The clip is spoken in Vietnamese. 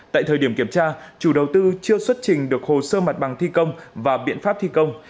tại thời điểm kiểm tra chủ đầu tư chưa xuất trình được hồ sơ mặt bằng thi công và biện pháp thi công